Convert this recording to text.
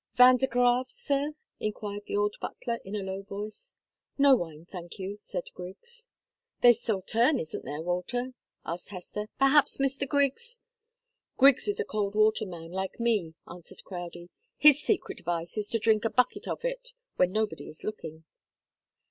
"Vin de Grave, sir?" enquired the old butler in a low voice. "No wine, thank you," said Griggs. "There's Sauterne, isn't there, Walter?" asked Hester. "Perhaps Mr. Griggs " "Griggs is a cold water man, like me," answered Crowdie. "His secret vice is to drink a bucket of it, when nobody is looking."